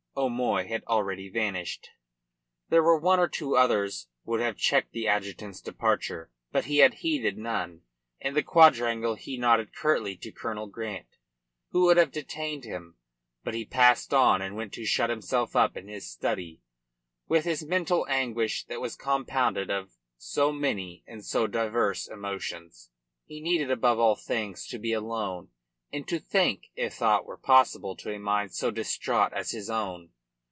O'Moy had already vanished. There were one or two others would have checked the adjutant's departure, but he had heeded none. In the quadrangle he nodded curtly to Colonel Grant, who would have detained him. But he passed on and went to shut himself up in his study with his mental anguish that was compounded of so many and so diverse emotions. He needed above all things to be alone and to think, if thought were possible to a mind so distraught as his own.